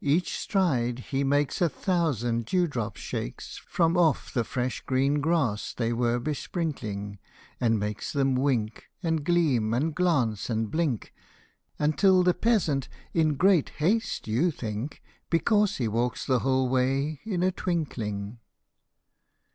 Each stride he makes a thousand dew drops shakes From off the fresh green grass they were besprinkling, And makes them wink, And gleam, and glance, and blink, Until the peasant in great haste you think Because he walks the whole way in a twinkling.